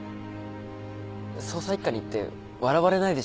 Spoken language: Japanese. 捜査一課に行って笑われないでしょうか？